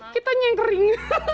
kitanya yang kering